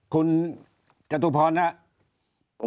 คุณกระตุภรณ์ครับ